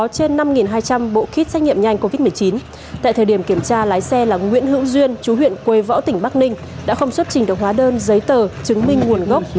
tại thời điểm kiểm tra lái xe là nguyễn hữu duyên chú huyện quê võ tỉnh bắc ninh đã không xuất trình được hóa đơn giấy tờ chứng minh nguồn gốc